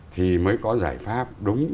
thì mới có giải pháp đúng